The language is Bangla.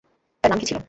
তার নাম কি ছিলো?